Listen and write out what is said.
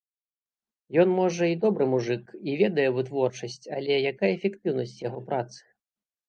Ён, можа, і добры мужык, і ведае вытворчасць, але якая эфектыўнасць яго працы?